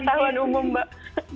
ketahuan umum mbak